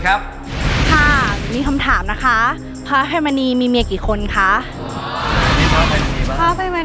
ครับนี้คำถามนะคะภาพแบตมณีมีเมียกี่คนคะพอใบบรรยล